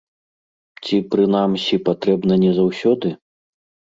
Ці, прынамсі, патрэбна не заўсёды?